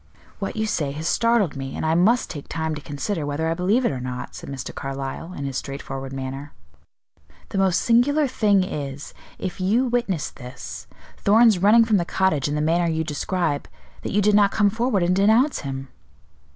"What you say has startled me, and I must take time to consider whether I believe it or not," said Mr. Carlyle, in his straightforward manner. "The most singular thing is, if you witnessed this, Thorn's running from the cottage in the manner you describe, that you did not come forward and denounce him."